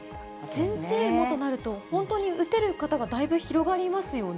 先生もとなると、本当に打てる方がだいぶ広がりますよね。